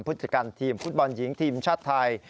พุทธกรรมทีมฟุตบอลหญิงทีมชาติไทย